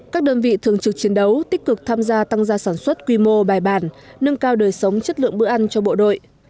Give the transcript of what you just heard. các đơn vị thường trực chiến đấu tích cực tham gia tăng gia sản xuất quy mô bài bản nâng cao đời sống chất lượng bữa ăn cho bộ đội